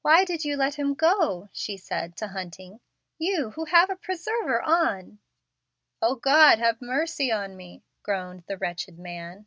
"Why did you let him go?" she said to Hunting "you who have a preserver on?" "O God, have mercy on me!" groaned the wretched man.